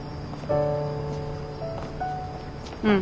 うん。